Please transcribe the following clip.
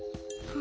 あ。